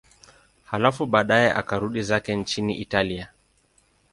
Halafu baadaye akarudi zake nchini Italia.